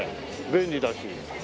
便利だし。